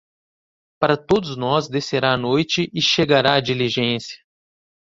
Para todos nós descerá a noite e chegará a diligência.